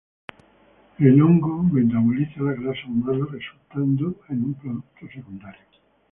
El hongo metaboliza la grasa humana, resultando en un producto secundario.